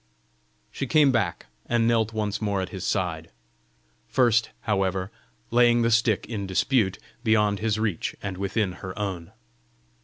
She came back, and knelt once more at his side first, however, laying the stick in dispute beyond his reach and within her own.